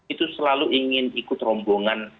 itu selalu ingin ikut rombongan